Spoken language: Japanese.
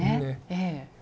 ええ。